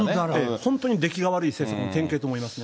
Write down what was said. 本当に出来の悪い政策の典型だと思いますね。